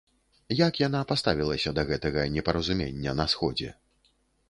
Як яна паставілася да гэтага непаразумення на сходзе?